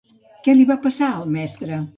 Què li va passar al mestre?